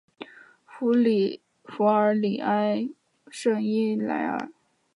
弗尔里埃圣伊莱尔。